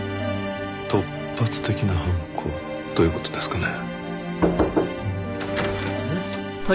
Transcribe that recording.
突発的な犯行という事ですかね？